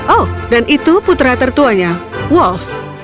oh dan itu putra tertuanya wolf